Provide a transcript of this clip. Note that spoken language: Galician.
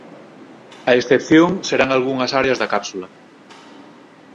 A excepción serán algunhas áreas da cápsula.